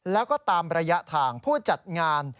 แล้วก็ตามระยะทางผู้จัดงาน